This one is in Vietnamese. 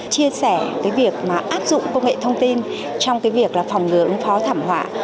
chia sẻ cái việc áp dụng công nghệ thông tin trong cái việc phòng ngừa ứng phó thảm họa